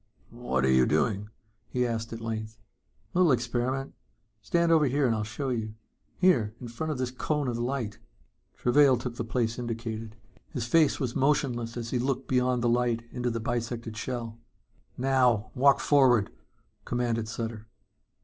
"What are you doing?" he asked at length. "Little experiment. Stand over here and I'll show you. Here, in front of this cone of light." Travail took the place indicated. His face was emotionless as he looked beyond the light into the bisected shell. "Now walk forward," commanded Sutter.